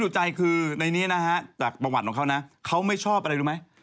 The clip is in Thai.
จากประวัติของเขานะเขาไม่ชอบอะไรรู้ไหม